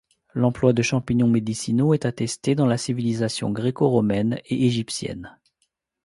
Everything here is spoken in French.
L'emploi de champignons médicinaux est attesté dans la civilisation gréco-romaine et égyptienne.